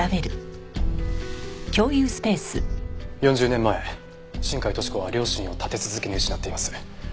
４０年前新海登志子は両親を立て続けに失っています。